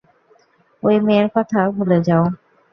ওই মেয়ের কথা ভুলে যাও।